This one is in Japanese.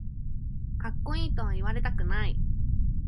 かっこいいとは言われたくない